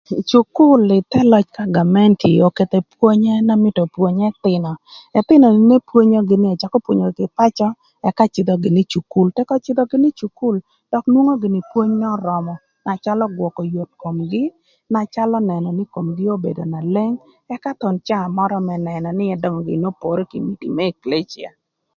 Cukul ï thë löc ka gamenti oketho epwonye na mïtö opwony ëthïnö, ëthïnö n'epwonyogï nï ëcakö pwonyogï pacö ëka cïdhö gïnï ï cukul tëk öcïdhö gïnï ï cukul dök nwongo gïnï pwony n'örömö na calö gwökö yot komgï, na calö nënö nï komgï obedo na leng ëka thon caa mörö më nënö nï ëdöngö gïnï n'opre kï më ekelica.